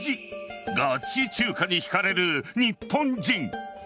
ガチ中華に引かれる日本人。